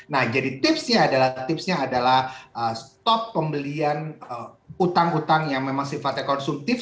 nah jadi tips nya adalah stop pembelian utang utang yang memang sifatnya konsumtif